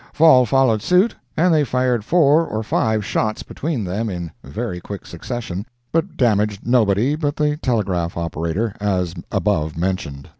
Fall followed suit, and they fired four or five shots between them in very quick succession, but damaged nobody but the telegraph operator, as above mentioned.